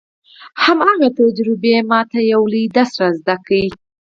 هماغې تجربې ما ته يو لوی درس را زده کړ.